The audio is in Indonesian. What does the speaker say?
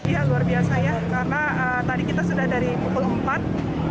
ya luar biasa ya karena tadi kita sudah dari pukul empat